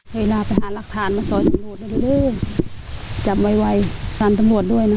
เวลาไปหารักฐานมาสอนตำรวจนะดูดิจับไวฟันตำรวจด้วยนะ